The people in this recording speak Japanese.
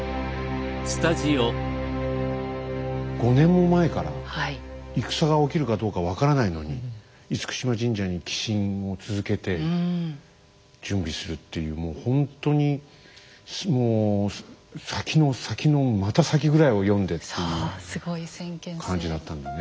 ５年も前から戦が起きるかどうか分からないのに嚴島神社に寄進を続けて準備するっていうもうほんとにもう先の先のまた先ぐらいを読んでっていう感じだったんだね。